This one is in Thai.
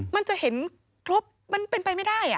มันจะเห็นครบมันเป็นไปไม่ได้